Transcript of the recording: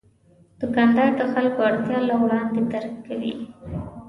دوکاندار د خلکو اړتیا له وړاندې درک کوي.